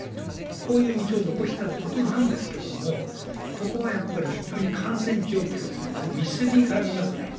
こういう道を残したってことなんですけれども、ここはやっぱり非常に感染状況とも密接に絡みますね。